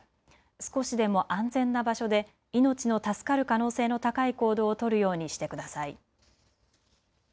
少しでも安全な場所で命の助かる可能性の高い行動を取るようにしてください。